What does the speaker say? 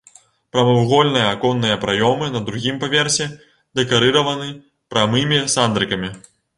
Прамавугольныя аконныя праёмы на другім паверсе дэкарыраваны прамымі сандрыкамі.